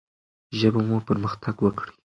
ژبه مو پرمختګ وکړي.